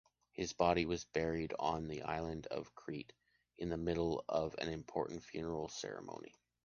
His body was buried on the island of Crete in the middle of an important funeral ceremony.